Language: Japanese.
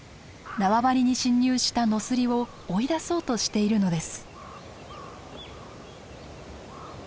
縄張りに侵入したノスリを追い出そうとしているのです。